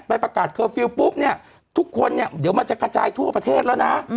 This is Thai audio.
ประกาศเคอร์ฟิลล์ปุ๊บเนี่ยทุกคนเนี่ยเดี๋ยวมันจะกระจายทั่วประเทศแล้วนะ